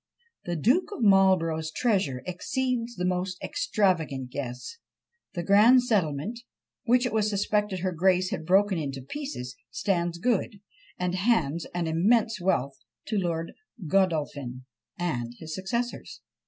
"The Duke of Marlborough's treasure exceeds the most extravagant guess. The grand settlement, which it was suspected her grace had broken to pieces, stands good, and hands an immense wealth to Lord Godolphin and his successors.